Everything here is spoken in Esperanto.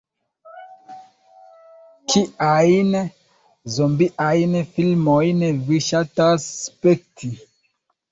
Kiajn zombiajn filmojn vi ŝatas spekti?